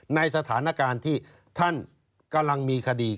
ในสถานการณ์ที่ท่านกำลังมีคดี